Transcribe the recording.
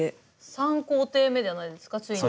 ３工程目じゃないですかついに。